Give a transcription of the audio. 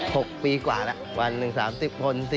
โจรผู้ร้ายเกี่ยวกับพวกเรื่องโจรผู้ร้ายเกี่ยวกับผู้หญิงผู้ชาย